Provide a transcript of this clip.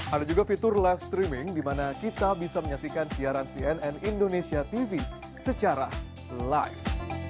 ada juga fitur live streaming di mana kita bisa menyaksikan siaran cnn indonesia tv secara live